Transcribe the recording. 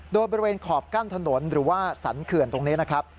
โดยบริเวณขอบกั้นถนนหรือว่าสรรเขื่อนตรงนี้นะครับ